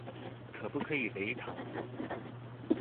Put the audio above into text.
可不可以微糖